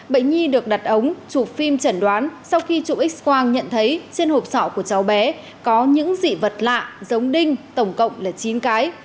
bệnh nhi được đặt ống chụp phim chẩn đoán sau khi chụp x quang nhận thấy trên hộp sọ của cháu bé có những dị vật lạ giống đinh tổng cộng là chín cái